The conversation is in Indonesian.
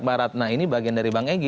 mbak ratna ini bagian dari bang egy